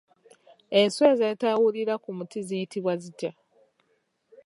Enswa ezeetawulira ku miti ziyitibwa zitya?